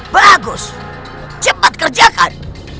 bagus cepat kerjakan